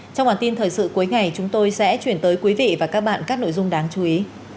trong bản tin thời sự cuối ngày chúng tôi sẽ chuyển tới quý vị và các bạn các nội dung đáng chú ý